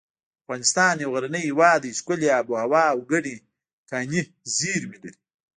افغانستان یو غرنی هیواد دی ښکلي اب هوا او ګڼې کاني زیر مې لري